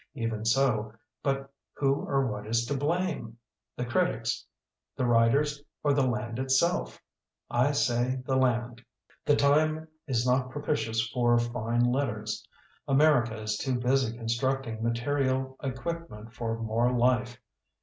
Even so, but who or what is to blame? The critics, the writers, or the land itself? I say the land. "The time is not propitious for fine letters. America is too busy construct ing material equipment for more life.